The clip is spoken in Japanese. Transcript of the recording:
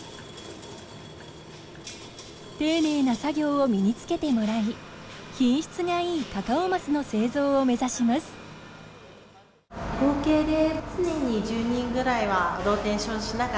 丁寧な作業を身に付けてもらい品質がいいカカオマスの製造を目指します。